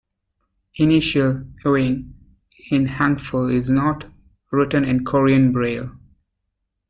Initial "ieung" in hangul is not written in Korean Braille.